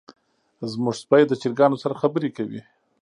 زمونږ سپی د چرګانو سره خبرې کوي.